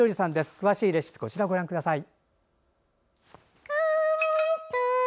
詳しいレシピはこちらをご覧ください。